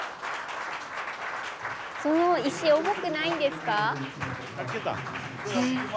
その石重くないんですか？